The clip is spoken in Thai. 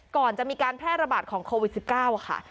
ก่อนจะมีการแพร่ระบาดของโควิด๑๙ค่ะ